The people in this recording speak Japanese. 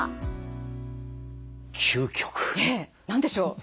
ええ。何でしょう？